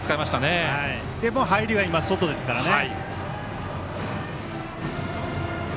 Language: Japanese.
で、入りは今、外ですからね。